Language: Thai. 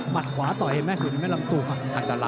มัดขวาต่อยไหมครับหุ่นได้ไม่ลำตุด